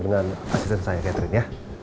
dengan asisten saya catherine ya